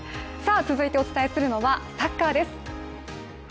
続いてお伝えするのはサッカーです。